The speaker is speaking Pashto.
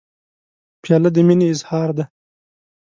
پیاله د مینې اظهار دی.